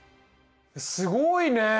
すごいね。